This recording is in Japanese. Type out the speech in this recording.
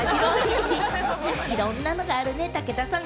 いろんなのがあるね、武田さん。